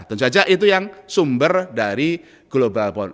tentu saja itu yang sumber dari global